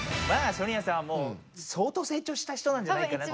ソニアさんはもうそうとうせい長した人なんじゃないかなって。